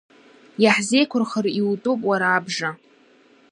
Иаҳзеиқәырхар иутәуп уара абжа…